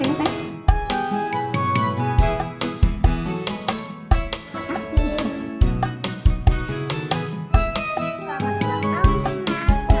selamat ulang tahun rena